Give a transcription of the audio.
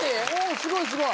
すごいすごい！